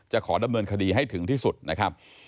ขอดำเนินคดีให้ถึงที่สุดนะครับ